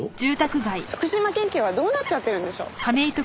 福島県警はどうなっちゃってるんでしょう。